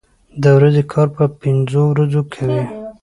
د ورځې کار په پنځو ورځو کوي.